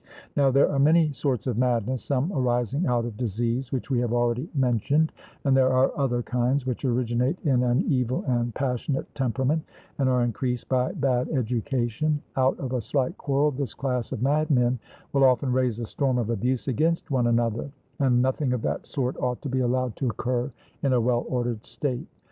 Now there are many sorts of madness, some arising out of disease, which we have already mentioned; and there are other kinds, which originate in an evil and passionate temperament, and are increased by bad education; out of a slight quarrel this class of madmen will often raise a storm of abuse against one another, and nothing of that sort ought to be allowed to occur in a well ordered state.